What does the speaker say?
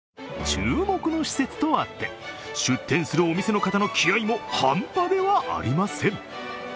注目の施設とあって、出店するお店の方の気合いも半端ではありません。